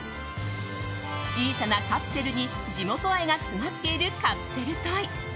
小さなカプセルに地元愛が詰まっているカプセルトイ。